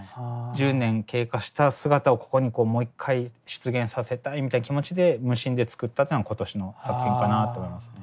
１０年経過した姿をここにもう一回出現させたいみたいな気持ちで無心で作ったというのが今年の作品かなあと思いますね。